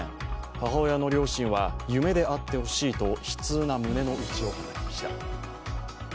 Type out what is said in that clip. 母親の両親は、夢であってほしいと悲痛な胸の内を語りました。